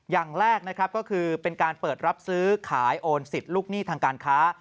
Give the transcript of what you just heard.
อย่างแรกนะครับก็คือเป็นการเปิดรับซื้อขายโอนสิทธิ์ลูกหนี้ทางการค้า